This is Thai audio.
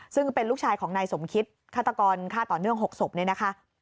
ซึ่งเป็นลูกชายของนายสมคิดฆาตกรฆ่าต่อเนื่อง๖ศพเนี่ยนะคะ